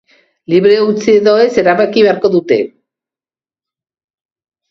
Libre utzi edo ez erabaki beharko dute.